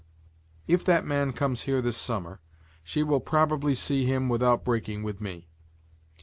If that man comes here this summer, she will probably see him without breaking with me.